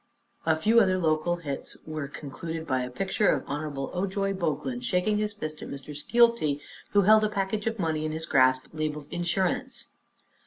A few other local hits were concluded by a picture of Hon. Ojoy Boglin shaking his fist at Mr. Skeelty, who held a package of money in his grasp labeled "insurance."